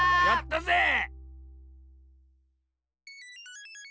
やったぜ！